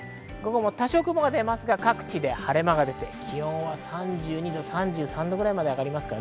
多少雲が出ますが、各地で晴れ間が出て気温は３２度、３３度ぐらいまで上がります。